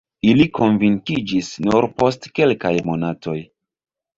Ili konvinkiĝis nur post kelkaj monatoj.